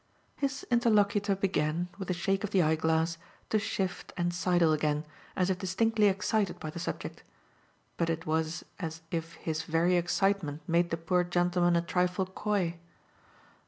His interlocutor began, with a shake of the eyeglass, to shift and sidle again, as if distinctly excited by the subject. But it was as if his very excitement made the poor gentleman a trifle coy.